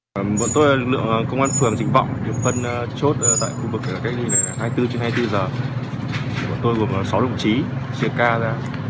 về lương thực thực phẩm hoặc là trang thiết bị phục vụ sinh hoạt